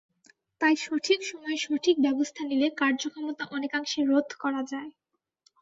তাই সঠিক সময়ে সঠিক ব্যবস্থা নিলে কার্যক্ষমতা অনেকাংশে রোধ করা যায়।